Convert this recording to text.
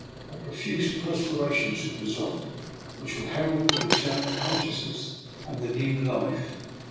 A profuse perspiration should result, which will herald the return of consciousness and the new life.